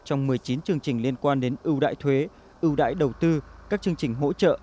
trong một mươi chín chương trình liên quan đến ưu đại thuế ưu đãi đầu tư các chương trình hỗ trợ